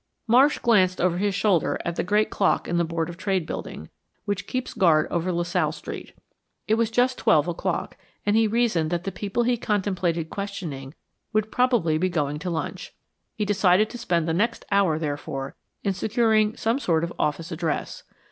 Marsh glanced over his shoulder at the great clock in the Board of Trade Building, which keeps guard over La Salle Street. It was just twelve o'clock, and he reasoned that the people he contemplated questioning would probably be going to lunch. He decided to spend the next hour, therefore, in securing some sort of office address.